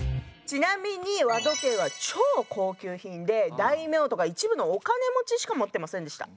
ちなみに和時計は超高級品で大名とか一部のお金持ちしか持ってませんでした。